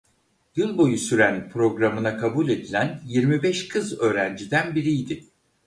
Yıl boyu süren programına kabul edilen yirmi beş kız öğrenciden biriydi.